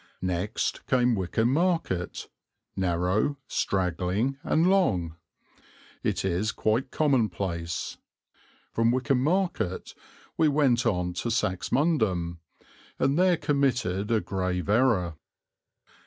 Next came Wickham Market, narrow, straggling, and long. It is quite commonplace. From Wickham Market we went on to Saxmundham, and there committed a grave error.